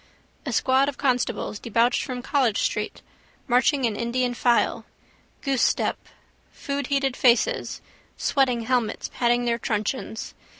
A squad of constables debouched from College street, marching in Indian file. Goosestep. Foodheated faces, sweating helmets, patting their truncheons.